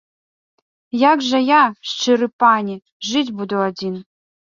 Як жа я, шчыры пане, жыць буду адзін?